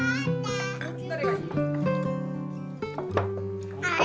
どれがいい？